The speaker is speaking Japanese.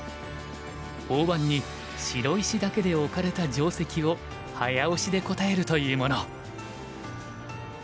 大盤に白石だけで置かれた定石を早押しで答えるというもの。